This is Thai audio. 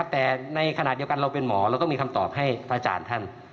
แต่ในขณะเดียวกันเราเป็นหมอเราต้องมีคำตอบให้พระอาจารย์ท่าน